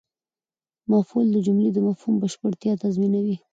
مفعول د جملې د مفهوم بشپړتیا تضمینوي.